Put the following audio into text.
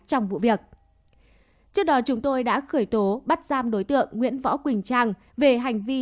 trong vụ việc trước đó chúng tôi đã khởi tố bắt giam đối tượng nguyễn võ quỳnh trang về hành vi